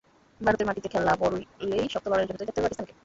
ভারতের মাটিতে খেলা বলেই শক্ত লড়াইয়ের জন্য তৈরি থাকতে হবে পাকিস্তানকে।